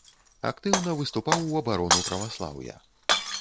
Актыўна выступаў у абарону праваслаўя.